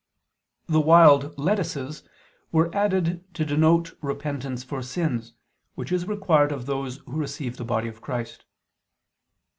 The wild lettuces were added to denote repentance for sins, which is required of those who receive the body of Christ.